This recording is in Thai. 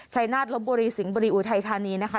นาฏลบบุรีสิงห์บุรีอุทัยธานีนะคะ